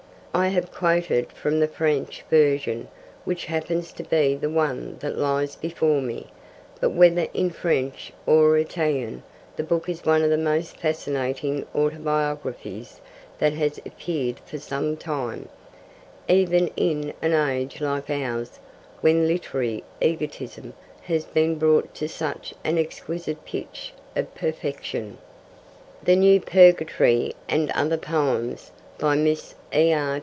I have quoted from the French version, which happens to be the one that lies before me, but whether in French or Italian the book is one of the most fascinating autobiographies that has appeared for some time, even in an age like ours when literary egotism has been brought to such an exquisite pitch of perfection. The New Purgatory and Other Poems, by Miss E. R.